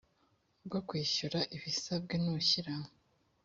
bwo kwishyura ibisabwe n ushyira